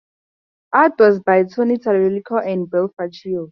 Art was by Tony Tallarico and Bill Fracchio.